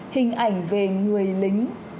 hình ảnh về người lính